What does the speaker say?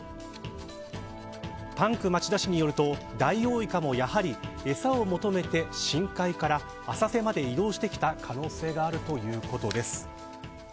パンク町田氏によるとダイオウイカもやはり餌を求めて深海から浅瀬まで移動してきた可能性があるということです。